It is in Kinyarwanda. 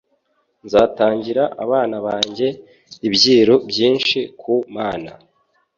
nzatangira abana banjye ibyiru byinshi ku mana